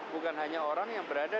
bukan hanya orang yang berada